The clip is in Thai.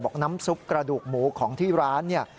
บอกน้ำซุปกระดูกหมูของที่ร้านเนี่ย